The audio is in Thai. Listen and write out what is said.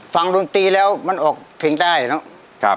ฟังดนตรีนะครับ